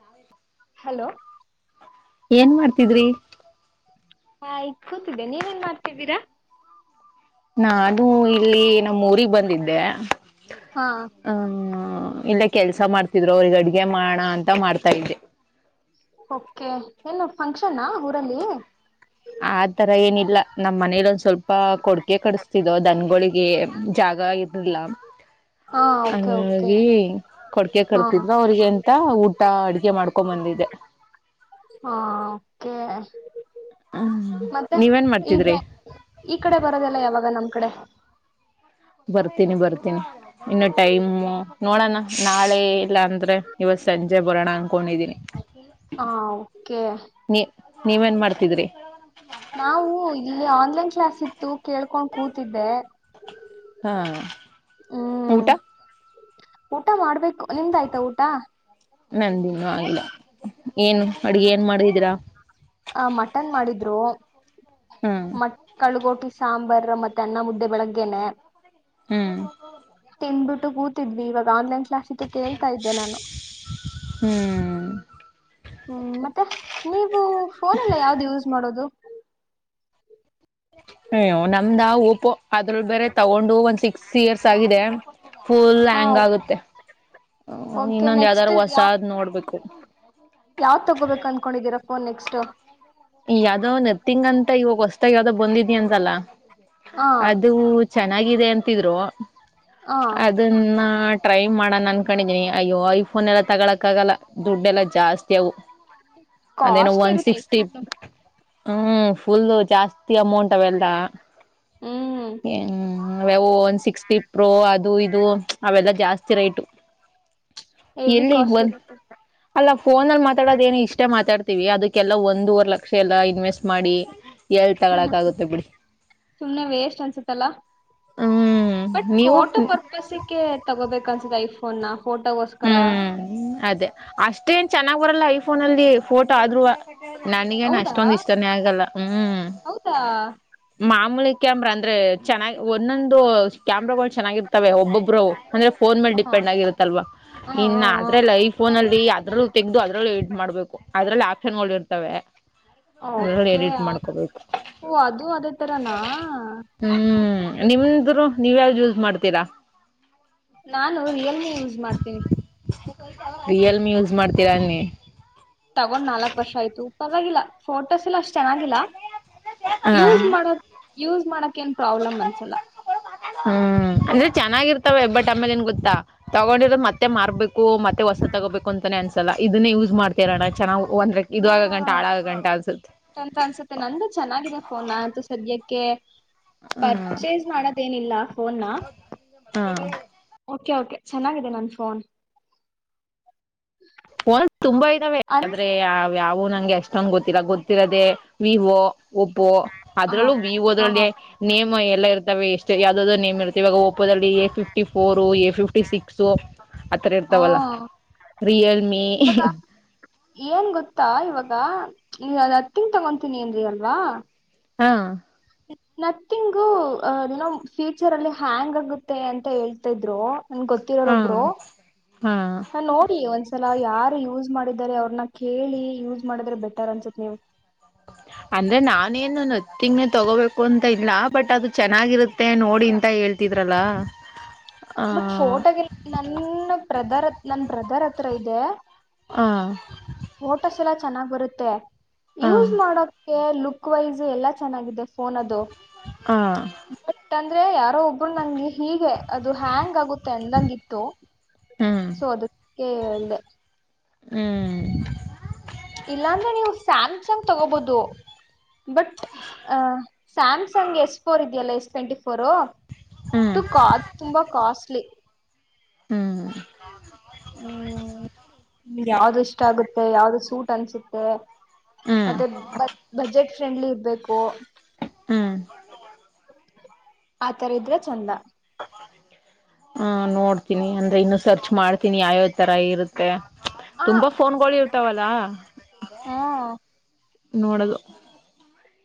ನಾವ ಹಲೋ ಏನ್ ಮಾಡ್ತಿದ್ರಿ ಹಾಯ್ ಕೂತಿದ್ದೆ ನೀವೆನ್ ಮಾಡ್ತಿದ್ದೀರಾ ನಾನು ಇಲ್ಲಿ ನಮ್ಮ ಊರಿಗ್ ಬಂದಿದ್ದೆ ಹಾ ಹ್ ಇಲ್ಲೇ ಕೆಲ್ಸ ಮಾಡ್ತಿದ್ರು ಅವ್ರಿಗೆ ಅಡ್ಗೆ ಮಾಡಣ ಅಂತ ಮಾಡ್ತಾ ಇದೆ ಓಕೆ ಏನು ಫಂಕ್ಷನ್ನ ಊರಲ್ಲಿ ಆ ತರ ಏನಿಲ್ಲ ನಮ್ಮ್ ಮನೇಲಿ ಒಂದ್ ಸ್ವಲ್ಪ ಕೊಡ್ಕೆ ಕಡಿಸ್ತಿದೋ ದನ್ಗಳಿಗೆ ಜಾಗ ಇರ್ಲಿಲ್ಲ ಹಾ ಓಕೆ ಓಕೆ ಹಂಗಾಗಿ ಕೊಡ್ಕೆ ಹಾ ಕರ್ತಿದ್ರು ಅವ್ರಿಗೆ ಎಂತ ಊಟ ಅಡಿಕೆ ಮಾಡ್ಕೊ ಬಂದಿದೆ ಹಾ ಓಕೆ ಮತ್ತೆ ಈ ಮಾಡ್ತಿದ್ರಿ ಈ ಕಡೆ ಬರೋದೆಲ್ಲ ಯಾವಾಗ ನಮ್ ಕಡೆ ಬರ್ತೀನಿ ಬರ್ತೀನಿ ಇನ್ನು ಟೈಮು ನೋಡೋಣ ನಾಳೆ ಇಲ್ಲ ಅಂದ್ರೆ ಇವತ್ ಸಂಜೆ ಬರೋಣ ಅನ್ಕೊಂಡಿದೀನಿ ಹಾ ಓಕೆ ನೀವ ನ್ ಮಾಡ್ತಿದ್ರಿ ನಾವು ಇಲ್ಲಿ ಆನ್ಲೈನ್ ಕ್ಲಾಸ್ ಇತ್ತು ಕೇಳ್ಕೊಂಡ್ ಕೂತಿದ್ದೆ ಹಾ ಹ್ಮ್ ಊಟ ಊಟ ಮಾಡ್ಬೇಕು ನಿಮ್ದ ಆಯ್ತಾ ಊಟ ನಂದಿನ್ನುೂ ಆಗಿಲ್ಲ ಏನು ಅಡ್ಗೆ ಏನ್ ಮಾಡಿದೀರಾ ಆ ಮಟನ್ ಮಾಡಿದ್ರು ಹ್ಮ್ ಮ ಕಳಗೋಟಿ ಸಾಂಬಾರ್ ಮತ್ತೆ ಅನ್ನ ಮುದ್ದೆ ಬೆಳಗ್ಗೆನೆ ಹ್ಮ್ ತಿಂದು ಕೂತಿದ್ವಿವಾಗ ಆನ್ಲೈನ್ ಕ್ಸಿತ ಕೇಳ್ತಾ ಇದ್ದೆ ನಾನು ಹ್ಮ್ ಹ್ಮ್ ಮತ್ತೆ ನೀವು ಫೋನ್ ಎಲ್ಲ ಯಾವ್ದು ಯೂಸ್ ಮಾಡೋದು ಹ ನಮ್ದಾ ಓಪೋ ಅದ್ರ ಬೇರೆ ತಗೊಂಡು ಒಂದ್ ಸಿಕ್ಸ್ ಸೀಯರ್ಸ್ ಆಗಿದೆ ಫುಲ್ ಹ ಆ್ಯಾಂಗ್ ಆಗುತ್ತೆ ಓಕೆ ಇನ್ನೊಂದ ನೆಕ್ಸ್ಟ್ ಯಾವ್ದಾರೂ ಯಾವ ಹೊಸಾದ್ ನೋಡ್ಬೇಕು ಯಾವ್ದ್ ತಗೋಬೇಕು ಅನ್ಕೊಂಡಿದ್ದೀರಾ ನೆಕ್ಸ್ಟ್ ಯಾವ್ದೋ ನೆರ್ತಿಂಗ ಅಂತ ಇವಾಗ ಹೊಸ್ತಾಗ ಯಾವ್ದೋ್ ಬಂದಿದಿ ಅಂತಲ್ಲ ಹ ಅದು ಚೆನ್ನಾಗಿದೆ ಅಂತಿದ್ರು ಹ ಅದನ್ನ ಹ ಟ್ರೈ ಮಾಡನ್ ಅನ್ಕೊಂಡಿದೀನಿ ಅಯ್ಯೋ ಐಫೋನ್ ಎಲ್ಲ ತಗೊಳಕ್ಕ ಆಗಲ್ಲ ದುಡ್ಡೆ ಎಲ್ಲಾ ಜಾಸ್ತಿ ಅವು ಅದೇನೋ ಕಾಸ್ಟ್ಲಿ ಒನ್ ಇರುತ್ತೆ ಸಿಕ್ಸ್ಟಿ ಐಫೋನ್ ಹ್ಮ ಫುಲ್ ಜಾಸ್ತಿ ಅಮೌಂಟ್ ಅವ ಅವೆಲ್ಲ ಹ್ಮ್ ಹ್ಮ ವೆವ ಒನ್ ಸಿಕ್ಸ್ಟಿ ಪ್ರೋ ಅದು ಇದು ಅವೆಲ್ಲ ಜಾಸ್ತಿ ರೇಟ ಹೆವಿ ಎಲ್ಲಿ ಕಾಸ್ಟ್ಲಿ ಒಂದ ಇರುತ್ತೆ ಅಲ್ಲ ಫೋನ್ಲ್ಲಿ ಮಾತಾಡೋದ ಏನು ಇಷ್ಟ ಮಾತಾಡ್ತ ಅದಕ್ಕೆಲ್ಲ ಒಂದೂವರ್ ಲಕ್ಷ ಪಕ್ಷೆ ಎಲ್ಲ ಇನ್ವೆಸ್ಟ್ ಮಾಡಿ ಎಲ್ ತಗಳಕ್ ಆಗುತ್ತೆ ಬಿಡಿ ಸುಮ್ನೆ ವೇಷ್ಟ್ ಅನ್ಸುತ್ತಲ್ಲ ಹ್ಮ್ ಬಟ್ ನೀವು ೋಟೋ ಹ್ಮ್ ಪರ್ಪಸ್ ತಗೋ ತಗೋಬೇಕು ಅನ್ಸುತ್ತೆ ಐಫೋನ್ ನಾ ಹ್ಮ್ ಅದೇ ಅಷ್ಟೇ ನ್ ಚೆನ್ನಾಗ್ ಬರಲ್ಲ ಐಫೋನ್ ಫೋನಲ್ಲಿ ಫೋಟೋ ಆದ್ೂ ನನಗೇನು ಹೌದಾ ಅಷ್ಟೊಂದ ಇಷ್ಟಾನೇ ಆಗಲ್ಲ ಹ್ಮ್ ಹೌದಾ ಮಾಮೂಲಿ ಕ್ಯಾಮ್ರಾ ಅಂದ್ರೆ ಚೆನ್ನಾಗಿ್ ಒಂದೊಂದು ದು ಕ್ಯಾಮ್ರಾಗಗಳು ಚೆನ್ನಾಗಿರ್ತವೆ ಒಬ್ಬೊಬ್ರು ಅಂದ್ರೆ ಫೋನ್ ಮೇಲ್ ಹ ಡಿಪೆಂಡ್ ಆಗಿರುತ್ತಲ್ವಾ ಹ ಹ ಇನ್ನ ಹ ಆದ್ರೆಲ್ಲ ಐಫೋನ್ ಅಲ್ಲಿ ಅದ್ರಲ್ಲೂ ತೆಗೆದು ಅದ್ರಲ್ಲೂ ಎಡಿಟ್ ಮಾಡಬೇಕು ಅದರಲ್ಲಿ ಆಪ್ಷನ್ಗಳು ಇರ್ತವೆ ಅದ್ರಲ್ಲಿ ಓಕೆ ಎಡಿಟ್ ಮಾಡ್ಕೋಬೇಕು ಅದು ಅದೇ ತರನಾ ನಿಮ್ದರು ನೀವ ಯಾವ್ದು ಯೂಸ್ ಮಾಡ್ತೀರಾ ನಾನು ರಿಯಲ್ಮಿ ಯೂಸ್ ಮಾಡ್ತನಿ ಹ ರಿಯಲ್ಮಿ ಯೂಸ್ ಮಾಡ್ತೀರಾ ಅನ್ನಿ ತಗೊಂಡ್ ನಾಲ್ಕಕ್ ವರ್ಷ ಆಯ್ತು ಪರವಾಗಿಲ್ಲ ಫೋಟೋಸ್ ಎಲ್ಲಾ ಅಷ್ಟ ಚೆನ್ನಾಗಿಲ್ಲ ಹ ಯೂಸ್ ಮಾಡೋರು ಯೂಸ್ ಮಾಡೋ ಹ್ಮ್ ಅಂದ್ರೆ ಚೆನ್ನಾಗಿ ಇರ್ತೀರಾ ತ ಬಟ್ ಆಮೇಲೆ ಏನ್ ಗೊತ್ತಾ ತೊಗೊಂಡಿರದು ಮತ್ತೆ ಮಾರಬೇಕು ಮತ್ತೆ ಹೊಸ ತಗೋಬೇಕು ಅಂತಾನೇ ಅನ್ಸಲ್ಲ ಇದನ್ನೇ ಯೂಸ್ ಮಾಡ್ತರೋಣ ಚೆನ್ನಾಗಿ ಹಾ ಚೆನ್ನಾಗಿ ಅನ್ಸುತ್ತೆ ನಂದು ಚೆನ್ನಾಗಿದೆ ಫೋನ್ ನಾನು ಅಂತೂ ಸದ್ಯಕ್ಕೆ ಓಕೆ ಹ್ಮ್ ಪರ್ಚೇಸ್ ಮಾಡದೇನಿಲ್ಲ ಫೋನಾ ಹ್ಮ್ ಓಕೆ ಓಕೆ ಚೆನ್ನಾಗಿದೆ ನನ್ ಫೋನ್ ಪೋನ್ ತುಂಬಾ ಇದಾವೆ ಅಲ್ ಆದ್ರೆ ಅವು ಯಾವು ನಂಗೆ ಅಸ್ಟೊಂದು ಗೊತ್ತಿಲ್ಲ ಗೊತ್ತಿರೋದೆೇ ವಿವೊ ಒಪ್ಪೊ ಹ ಅದ್ರಲ್ಲೂ ಹ ವಿವೋದ್ರಲ್ಲಿ ನೇಮ್ ಎಲ್ಲ ಇರ್ತವೆ ಎಷ್ಟ ಯಾವ್ದಾದೋ ನೇಮ್ ಇರ್ತ ಇವಾಗ ಓಪೋದಲ್ಲಿ A fifty four A fifty six ಆತರ ಹ ಇರ್ತಾವಲ್ಲ ರಿಯಲ್ ಇವಾಗ ಏನ್ ಗೊತ್ತಾ ಇವಾಗ ನೀ ಅದು ನೋಥಿಂಗ್ ತಗೊತೀನಿ ಅಂದ್ರೆ ಅಲ್ವಾ ಹಾ ನಥಿಂಗು ನಮ್ಮ ಫ್ಯೂಚರ್ ಅಲ್ಲಿ ಹ್ಯಾಂಗ್ ಆಗುತ್ತೆ ಅಂತ ಹೇಳ್ತ ಇದ್ರು ನನ್ ಹಾ ಗೊತ್ತಿರೋರೊಬ್ರು ಹಾ ನಾ ನೋಡಿ ಒಂದ್ಸಲ ಯಾರು ಯೂಸ್ ಮಾಡಿದಿದ್ದಾರೆ ಅವ್ರನ್ನ ಕೇಳಿ ಯೂಸ್ ಮಾಡಿದ್ರೆ ಬೆಟರ್ ಅನ್ಸತ್ ನೀವು ಅಂದ್ರೆ ನಾನೇನು ನೊತ್ತಿಂಗ್ನೆೇ ತಗೋಬೇಕು ಅಂತ ಇಲ್ಲ ಬಟ್ ಅದು ಚೆನ್ನಾಗಿರುತ್ತೆ ನೋಡಿಂತ ಹೇಳ್ತಿದ್ರಲ್ಲಾ ಬಟ್ ಫೋಟೋ ಗ್ ನನ್ನ್ ಪ್ರಧರ್ ನನ್ ಬ್ರದರ್ ಹತ್ರ ಇದೆ ಹ ಫೋಟೋಸ್ ಎಲ್ಲ ಚೆನ್ನಾಗ್ ಬರುತ್ತೇ ಯೂಸ್ ಮಾಡಕ್ ಕೆ ಲುಕ್ ವೈಸ್ ಎಲ್ಲಾ ಚೆನ್ನಾಗಿದೆ. ಓನದು ಆ ಇವಾಗ್ ತಾನ್ [unintelligible] ಯಾರೂ ಒಬ್ರು ನಂಗೆ ಹೀಗೆ ಅದು ಹ್ಯಾಂಗ್ ಆಗುತ್ತೆ ಅಂದಂಗಿತ್ತು ಹ್ಮ್ ಸೊ ಅದಕ್ಕೆ ಹೇಳ್ದೆ ಹ್ಮ್ ಇಲ್ಲಾ ಅಂದ್ರೆ ನೀವು ಸ್ಯಾಮ್ಸಂಗ್ ತಗೋಬೊದು ಬಟ್ ಆ ಸ್ಯಾಮ್ಸಂಗ್ ಎಸ್ ಫೋರ್ ಇದೆಯಲ್ಲ ಎಸ್ ಟ್ವೆಂಟಿ ಫೋರ್ ಹ್ಮ್ ತುಕಾ-ತುಂಬಾ ಕಾಸ್ಟ್ಲಿ ಹ್ಮ್ ಹ್ಮ್ ಯಾವ್ದು ಇಷ್ಟ ಆಗುತ್ ಯಾವ್ದು ಸೂಟ್ ಅನ್ಸುತ್ತೆ ಹ್ಮ್ ಮತ್ತೆ ಬಜ್ ಬಜೆಟ್ ಫ್ರೆಂಡ್ಲಿ ಇರ್ಬೇಕು ಹ್ಮ್ ಆತರ ಇದ್ರೆ ಚಂದ ಹ ನೋಡ್ತೀನಿ ಅಂದ್ರೆ ಇನ್ನು ಸರ್ಚ್ ಮಾಡ್ತೀನಿ ಯಾವ್ಯಾವ್ ತರ ಇರುತ್ತೆ ಆ ತುಂಬಾ ಫೋನ್ಗಳು ಇರ್ತವಲ್ಲಾ ಹಾ ನೋಡದು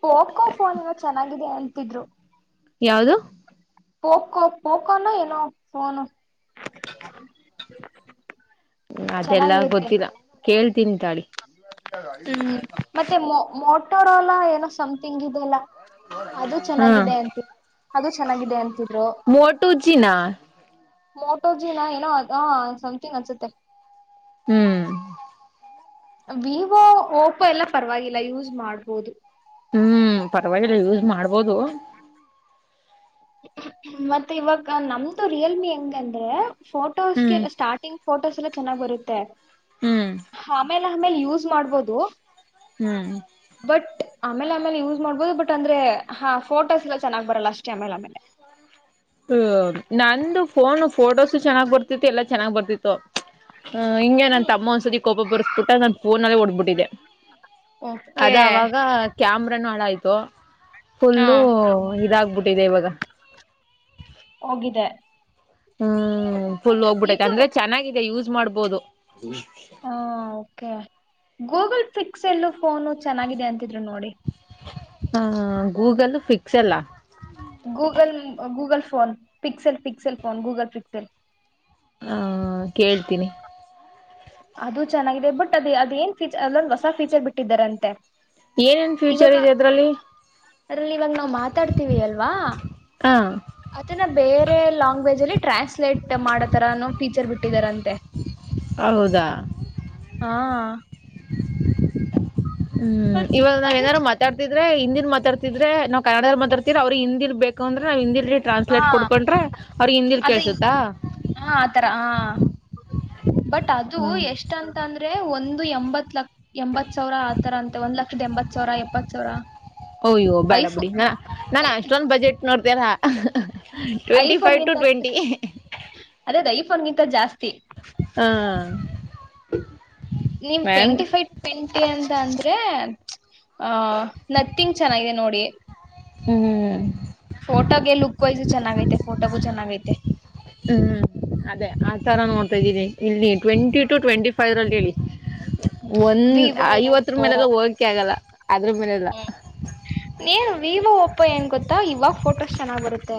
ಪೋಕೋ ಫೋನ್ ಏನೋ ಚೆನ್ನಾಗ್ ಅದೇ ಅಂತಿದ್ರು ಯಾವ್ದು ಪೊಕೋ ಪೊಕೋ ನೊ ಏನೋ ಫೋನು ಅದೆಲ್ಲಾ ಚೆನ್ನಾಗಿರುತ್ತೆ ಗೊತ್ತಿಲ್ಲಾ ಕೇಳ್ತೀನಿ ತಾಳಿ ಹ್ಮ್ ಮತ್ತೆ ಮೊ ಮೋಟೋರೋಲಾ ಏನೋ ಸಂ ತೆಂಗಿದೆಲಾ ಅದು ಹಾ ಚೆನ್ನಾಗಿದೆ ಅಂತಿ ಅದು ಚೆನ್ನಾಗಿದೆ ಅಂತಿದ್ರು ಮೋಟು ಜಿನ ಮೋಟೋಜಿನ ಏನೋ ಆ ಸಂತಿಂಗ್ ಅನ್ಸುತ್ತೆ ಹ್ಮ್ ವಿವೋ ಓಪೋ, ಎಲ್ಲ ಪರವಾಗಿಲ್ಲ ಯೂಸ್ ಮಾಡ್ಬೋದು ಹ್ಮ್ ಪರವಾಗಿಲ್ಲ ಯೂಸ್ ಮಾಡ್ಬೋದು ಮತ್ತೆ ಇವಾಗ ನಮ್ದು ರಿಯಲ್ಮಿ ಹೆಂಗಂದ್ರೆ, ಫೋಟೋಸ್ಗೆ ಹ್ಮ್ ಸ್ಟಾರ್ಟಿಂಗ್ ಫೋಟೋಸ್ ಎಲ್ಲ ಚೆನ್ನಾಗಿ ಬರುತ್ತೆ. ಹ್ಮ್ ಆಮೇಲೆ ಆಮೇಲೆ ಯೂಸ್ ಮಾಡ್ಬೋದು, ಹ್ಮ್ ಬಟ್ ಆಮೇಲೆ ಆಮೇಲೆ ಯುಸ್ ಮಾಡ್ಬೋದು ಬಟ್ ಅಂದ್ರೆ ಹಾ ಫೋಟೋಸ್ ಎಲ್ಲ ಚೆನ್ನಾಗಿ ಬರಲ್ಲ ಅಷ್ಟೇ ಆಮೇಲೆ, ಹ ನಂದು ಫೋನ್ ಫೋಟೋಸು ಚೆಾಗ್ ಬರ್ತ್ತತಿ ಎಲ್ಲಾ ಚೆನ್ನಾಗ್ ಬರ್ತಿತ್ತು, ಹ ಹಿಂಗೇ ತಮ್ಮ ಒಂದ್ಸತಿ ಕೋಪ ಬರಿಸ್ಬಿಟ್ಟ, ನನ್ ಫೋನ್ಲ್ಲೇ ಹೊಡೆದು ಬಿಟ್ಟೆ. ಬಿಟ್ಟಿದೆ ಓಕೆ ಅದ ಆವಾಗ ಕ್ಯಾಮ್ರಾನೂ ಹಾಳಾಯಿತು, ಹಾ ಫುಲ್ಲು ಇದಾಗ್ಬಿಟ್ಟು ಇದೆ ಇವಾಗ ಹೋಗಿದೆ ಹ್ಮ ಫುಲ್ ಹೋಗ್ಬಿೈ, ಇದು ಅಂದ್ರೆ ಚಾನ್ನಾಗಿದೆ ಯೂಸ್ ಮಾಡ್ಬೋದು. ಹಾ ಕೆ ಗೂಗಲ್ ಫಿಕ್ಸ್ ಎಲ್ಲೂ ಫೋನು ಚೆನ್ನಾಗಿದೆ ಅಂತ [inaudible] ನೋಡಿ. ಹಾ ಗೂಗಲ್ ಫಿಕ್ಸ್ ಎಲ್ಳ್? Google Google phone fix fix phone Google pixel ಹ ಹ ಕೇಳ್ತೀನಿ. ಅದು ಚೆನ್ನಾಗಿದೆ, ಬಟ್ ಅದೇ ಅದ ಏನ್ ಫೀಚರ್ ಅಲ್ಲೊಂದು ಹೊಸ ಫೀಚರ್ ಬಿಟ್ಟಿದ್ದಾರಂತೆ. ಏನೇನ್ ಇವಾಗ ಫ್ಯೂಚರ್ ಇದೆ ಅದ್ರಲ್ಲಿ ಅದ್ರಲ್ಲಿ ಇವಾಗ ನಾವು ಮಾತಾಡ್ತೀವಿ ಅಲ್ವಾ ಹ ಅದನ್ನ ಬೇರೆ ಲಲ್ಾಂಗ್ವೇಜ್ ಅಲ್ಲಿ ಟ್ರಾನ್ಸ್ಲೇಟ್ ಮಾಡತರನೋ ಟೀಚರ್ ಬಿಟ್ಟಿದಾರಂತೆ. ಹೌದಾ ಹಾ ಹ್ಮ್ ಇವಾಗ್ ನಾವ್ ಅದು ಏನಾರು ಮಾತಾಡ್ತಿದ್ರೆ ಹಿಂದಿ ಮಾತಾಡ್ತಿದ್ರೆ ನಾವ್ ಕನ್ನಡ್ದಲ್ ಮಾತಾಡ್ತಿದ್ರೆ ಅವ್ರ್ ಹಿಂದಿಲ್ ಬೇಕುಂದ್ರೆ ನಾವ್ ಹಿಂದಿ ಲಿ ಹಾ ಟ್ರಾನ್ಸ್ಲೇಟ್ ಕೊಡ್ಕೊಂಡ್ರೆ ಅವ್ರ್ ಗ್ ಹಿಂದಿಲ್ ಅದು ಕೇಳ್ಸುತ್ತಾ? ಹಾ ಆತರ ಹ ಬಟ್ ಅದು ಎಷ್ಟ್ ಅಂತ ಅಂದ್ರೆ ಒಂದ್ ಅದು ಎಂಬತ್ ಲಕ್ ಎಂಬತ್ ಸಾವ್ರ ಆತರ ಅಂತೆ ಒಂದ್ ಲಕ್ಷದ ಎಂಬತ್ ಸಾವ್ರ ಎಪ್ಪತ್ ಸಾವ್ರ ಅಯ್ಯೋ ಐ ಬೇಡ ಫೋ ಬಿಡಿ ನಾ ನಾನ್ ಐ ಅಷ್ಟೊಂದ್ budget [unintelligible] twenty five to twenty phone ಗಿಂತ ಜಾಸ್ತಿ ಹಾ [inaudible] ನೀವ್ ಮ್ಯಾನ್ ಟ್ವೆಂಟಿ ಫೈವ್ ಟ್ವೆಂಟಿ ಅಂತ ಅಂದ್ರೆ ಆ ನತ್ತಿಂಗ್ ಚೆನ್ನಾಗಿದೆ ನೋಡಿ. ಹ್ಮ್ ಫೋಟೋಗೆ ಲುಕ್ ವೈಸು ಚೆನ್ನಾಗೈತೆ ಫೋಟೋಗೂ ಚೆನ್ನಾಗೈತೆ ಹ್ಮ್ ಅದೇ ಆ ತರ ನೋಡ್ತಾ ಇದ್ದೀನಿ ಇಲ್ಲಿ ಟ್ವೆಂಟಿ ಟು ಟ್ವೆಂಟಿ ಫೈವ್ ರಲ್ಲಿ ಹೇಳಿ. ಒಂದ್ ವಿವೋ ಐವತ್ರ್ ಓಪೋ ಮೇಲೆಲ್ಲ ಹೋಗಕೆ ಆಗಲ್ಲ ಅದ್ರ್ ಮೇಲೆಲ್ಲ ಏನ್ ವಿವೋ ಓಪೋ ಏನ್ ಗೊತ್ತಾ ಇವಾಗ್ ಫೋಟೋಸ್ ಚೆನ್ನಾಗ್ ಬರುತ್ತೆ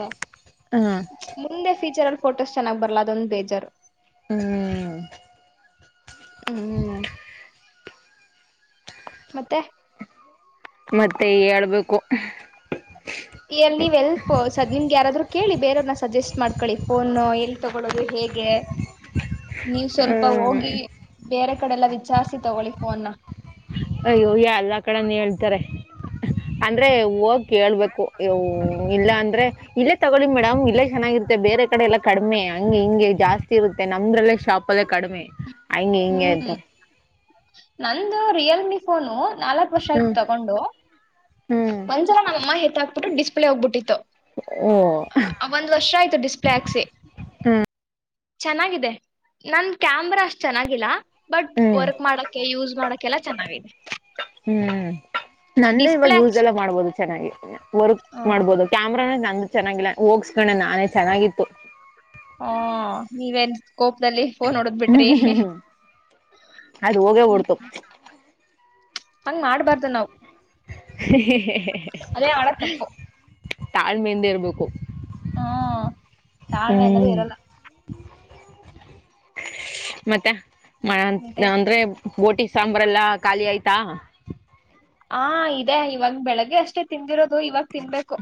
ಹ್ಮ್ ಮುಂದೆ ಫೀಚರಲ್ ಫೋಟೋಸ್ ಚೆನ್ನಾಗ್ ಬರಲ್ಲ ಅದೊಂದ್ ಬೇಜಾರು ಹ್ಮ್ ಹ್ಮ್ ಮತ್ತೆ? ಮತ್ತೆ ಹೇಳ್ಬೇಕು. ಎಲ್ ನೀವ್ ಎಲ್ ಫೋ ಸ ನಿಮ್ಗ್ ಯಾರಾದ್ರು ಕೇಳಿ ಬೇರೆಯವ್ರ್ ನ ಸಜೆಸ್ಟ್ ಮಾಡ್ಕಳ್ಳಿ ಫೋನ್ ಎಲ್ ತಗೊಳ್ಳೋದು ಹೇಗ್ ಗೆ ನೀವ್ ಸ್ವಲ್ಪ ಹ್ಮ್ ಹೋಗಿ ಬೇರೆ ಕಡೆಲ್ಲಾ ವಿಚಾರ್ಸಿ ತಗೊಳ್ಳಿ ಫೋನ ಅಯ್ಯೋ ಎಲ್ಲ ಕಡೆನೂ [inaudible] ಅಂದ್ರೆ ಹೋಗ್ ಕೇಳ್ಬೇಕು ಯೌ ಇಲ್ಲ ಅಂದ್ರೆ ಇಲ್ಲೇ ತಗೊಳ್ಳಿ ಮೇಡಮ್ ಇಲ್ಲೇ ಚೆನ್ನಾಗಿರುತ್ತೆ ಬೇರೆ ಕಡೆ ಎಲ್ಲಾ ಕಡಿಮೆ ಹಂಗೆ ಹಿಂಗೆ ಜಾಸ್ತಿ ಇರುತ್ತೆ ನಮ್ದ್ರಲ್ಲೇ ಶಾಪ್ ಅಲ್ಲೇ ಕಡಿಮೆ. ಹಂಗೆ ಹಿಂಗೆ ಹ್ಮ್ ಅಂತಾರೆ ನಂದು ರಿಯಲ್ [unintelligible] ಫೋನು. ನಾಲಕ್ ವರ್ಷ ಹ್ಞೂ ಆಯ್ತು ತಗೊಂಡು, ಹ್ಞೂ ಒಂದ್ಸಲ ನಮ್ಮಮ್ಮ ಎತ್ ಹಾಕ್ಬಿಟ್ಟು ಡಿಸ್ಪ್ಲೇ ಹೋಗ್ಬಿಟ್ಟಿತ್ತು. ಓ ಒಂದ್ ವರ್ಷ ಆಯ್ತು ಡಿಸ್ಪ್ಲೇ ಹಾಕ್ಸಿ. ಹ್ಞೂ ಚೆನ್ನಾಗಿದೆ ನನ್ ಕ್ಯಾಮ್ರಾ ಅಷ್ಟು ಚೆನ್ನಾಗಿಲ್ಲ ಬಟ್ ಹ್ಞೂ ವರ್ಕ್ ಮಾಡಕ್ಕೆೆ ಯೂಸ್ ಮಾಡಕ್ಕೆಲ್ಲ ಚೆನ್ನಾಗೈತಿ ಹ್ಮ್ ನಂದೇ ಇವಾಗ ಡಿಸ್ಪ್ಲೇ ಯೂಸ್ ಹಾಕ್ಸ್ ಎಲ್ಲಾ ಮಾಡ್ಬೋದು ಚೆನ್ನಾಗಿೀನ ವರ್ಕ್ ಹ ಮಾಡ್ಬೋದು ಕ್ಯಾಮ್ರ ನ ಚೆನ್ನಾಗಿಲ್ಲ ಹೋಗಸ್ಕಣ ನಾನೇ ಚೆನ್ನಾಗಿತ್ತು ಹಾ ನೀವೆನ್ ಕೋಪ್ಲ್ಲಿ ಫೋನ್ ಹೊಡದ್ ಹ್ಮ್ ಬಿಟ್ರಿ ಹ್ಮ್ ಹ್ಮ್ ಅದು ಹೋಗೇ ಹೊಡ್ತು ಹಂಗ್ ಮಾಡ್ಬಾರ್ದು ನಾವು ಹ ಹ ಅದೇ ಮಾಡೋ ತಪ್ಪು ತಾಳ್ಮೆಯಿಂದ ಇರಬೇಕು ತಾಳ್ಮೆಯಿಂದನು ಇರಲ್ಲ ಮತ್ತೆ ಮ ಮತ್ತೆ ಅಂದ್ರೆ ಬೋಟಿ ಸಾಂಬ್ರ ಎಲ್ಲಾ ಖಾಲಿ ಆಯ್ತು ತ್ತಾ ಹಾ ಇದೆ ಇವಾಗ ಬೆಳಗ್ಗೆ ಅಷ್ಟೇ ತಿಂದಿರೋದು ಇವಾಗ ತಿನ್ಬೇಕು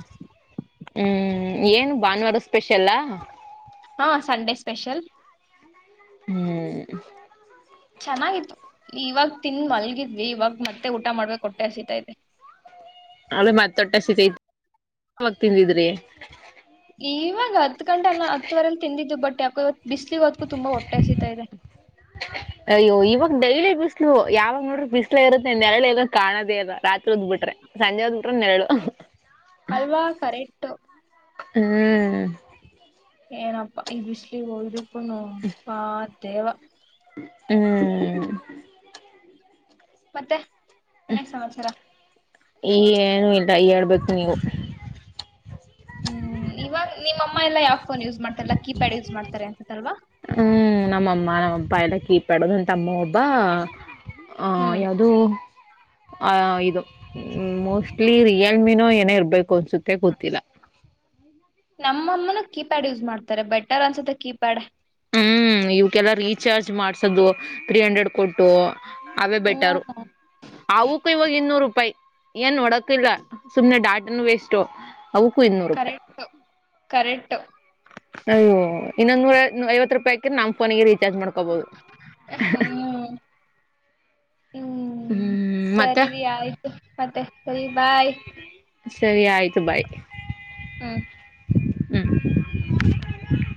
ಹ್ಮ್ ಏನು ಭಾನುವಾರ ಸ್ಪೆಷಲ್ [unintelligible] ಹಾ ಸಂಡೇ ಸ್ಪೆಷಲ್ ಹ್ಮ್ ಚೆನ್ನಾಗಿತ್ತು ಇವಾಗ ತಿಂದು ಮಲ್ಗಿದ್ವಿ ಇವಾಗ ಮತ್ತೆ ಊಟ ಮಾಡ್ಬೇಕಕ್ ಕೊಟ್ಟೆ ಆಸೀತ ಇತೆ [unintelligible] ಕ [unintelligible] ಬಿಸಿಲು ಇವತ್ತು ತುಂಬಾ ಹೊಟ್ಟೆ ಹಸಿತ ಇದೆ ಅಯ್ಯೋ ಇವಾಗ ಡೈಲಿ ಬಿಸಿಲು ಯಾವಾಗ ನೋಡ್ರೆ ಬಿಸಿಲು ಇರುತ್ತೆ ನೆರಳು ಇರೋದು ಕಾಣೋದೇ ಅಲ್ಲ ರಾತ್ರಿ ಹೊತ್ತು ಬಿಟ್ರೆ ಸಂಜೆ ಬಿಟ್ರೆ ನೆರಳು ಅಲ್ವಾ ಕರೆಕ್ಟು ಹ್ಮ್ ಏನಪ್ಪಾ ಈ ಬಿಸಿಲು ಹೋಯು ಕೋ ಪಾತ್ [unintelligible] ದೇವ ಹ್ಮ್ ಮತ್ತೆ ಇನ್ನೇನ್ ಸಮಾಚಾರ ಈ ಏನು ಇಲ್ಲ. ಹೇಳ್ಬೇಕು ನೀವು ಹ್ಮ್ ಇವಾಗ ನಿಮ್ಮಮ್ಮ ಎಲ್ಲಾ ಯಾವ್ ಫೋನ್ ಯೂಸ್ ಮಾಡ್ತಾರಲ್ಲ, ಕೀಪ್ಯಾಡ್ ಯೂಸ್ ಮಾಡ್ತಾರೆ ಅನ್ಸತಲ್ವಾ? ಹ್ಮ್, ನಮ್ಮಮ್ಮ ನಮ್ಮಪ್ಪ ಎಲ್ಲ ಕೀಪೆಡುದು ಒ ತಮ್ಮ ಒಬ್ಬ ಹ ಹ್ಮ್ ಯಾವುದು ಆ ಇದು ಮೋಸ್ಟ್ಲಿ ರಿಯಲ್ಮಿನೋ ಏನೇ ಇರ್ಬೇಕು ಅನ್ಸುತ್ತೆ ಗೊತ್ತಿಲ್ಲ. ನಮ್ಮಮ್ಮನ ಕೀಪ್ಯಾಡ್ ಯೂಸ್ ಮಾಡ್ತಾರೆ ಬೆಟರ್ ಅನ್ಸುತ್ತೆ ಕೀಪ್ಯಾಡ್. ಹ್ಮ್, ಇವಕ್ಕೆಲ್ಲ ರೀಚಾರ್ಜ್ ಮಾಡ್ಸೋದು ತ್ರ್ರೀ ಹಂಡ್ರೆಡ್ ಕೊಟ್ಟು ಅವೇ ಬೆಟರು ಹ್ಮ್ ಆಕ್ಕೂ ಇವಾಗ ಇನ್ನೂರು ರೂಪಾಯಿ. ಏನ್ ನೋಡಕ್ ಇಲ್ವಾ ಸುಮ್ನೆ ಡಾಟನು ವೇಸ್ಟ್ು. ಕರೆಕ್ಟ್ು ಕರೆಕ್ಟ್ ಅಯ್ಯೋ ಇನ್ನೊಂದ ನೂರ ಐವತ್ತು ರೂಪಾಯಿಕಿ ನಮ್ ಫನ ರೀಚಾರ್ಜ್ ಚಾರ್ಜ್ ಮಾಡ್ಕೋಬೋದು ಹ್ಮ್ ಹ್ಮ್ ಸರಿರಿ ಆಯ್ತು, ಮತ್ತೆ ಸರಿ ಬಾಯ್ ಸರಿ ಆಯ್ತು ಬಾಯ್. ಹ್ಮ್ ಹ್ಮ